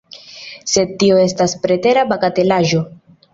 Sed tio estas pretera bagatelaĵo.